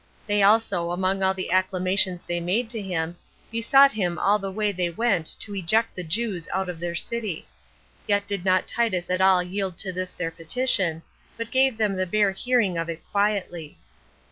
They also, among all the acclamations they made to him, besought him all the way they went to eject the Jews out of their city; yet did not Titus at all yield to this their petition, but gave them the bare hearing of it quietly.